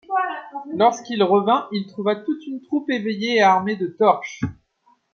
Lorsqu'il revint, il trouva toute une troupe éveillée et armée de torches.